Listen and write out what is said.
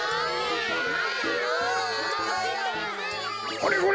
これこれ！